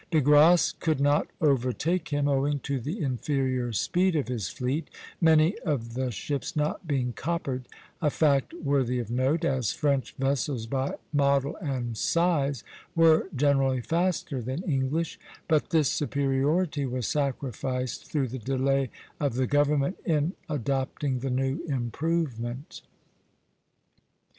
De Grasse could not overtake him, owing to the inferior speed of his fleet, many of the ships not being coppered, a fact worthy of note, as French vessels by model and size were generally faster than English; but this superiority was sacrificed through the delay of the government in adopting the new improvement.